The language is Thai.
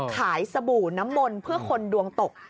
สบู่น้ำมนต์เพื่อคนดวงตก